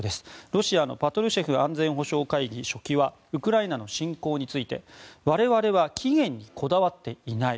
ロシアのパトルシェフ安全保障会議書記はウクライナの侵攻について我々は期限にこだわっていない。